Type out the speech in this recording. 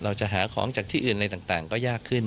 เราจะหาของจากที่อื่นอะไรต่างก็ยากขึ้น